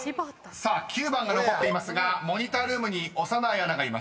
［さあ９番が残っていますがモニタールームに小山内アナがいます］